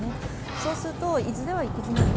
そうするといずれは行き詰まる。